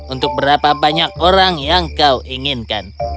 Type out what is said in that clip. untuk berapa banyak orang yang kau inginkan